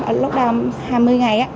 đã lockdown hai mươi ngày á